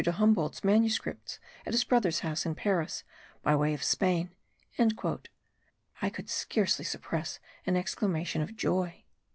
de Humboldt's manuscripts at his brother's house in Paris, by way of Spain!" I could scarcely suppress an exclamation of joy.